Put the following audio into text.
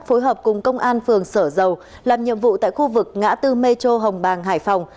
phối hợp cùng công an phường sở dầu làm nhiệm vụ tại khu vực ngã tư metro hồng bàng hải phòng